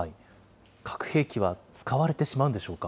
核兵器は使われてしまうんでしょうか？